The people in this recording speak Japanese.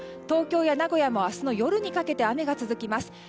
東京や名古屋も明日の夜にかけて雨が続きます。